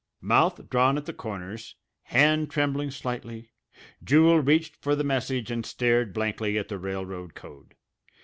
Mouth drawn at the corners, hand trembling slightly, Jewel reached for the message and stared blankly at the railroad code.